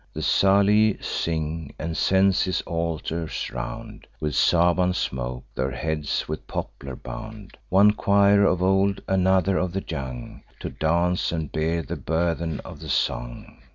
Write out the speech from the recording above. The Salii sing, and cense his altars round With Saban smoke, their heads with poplar bound One choir of old, another of the young, To dance, and bear the burthen of the song.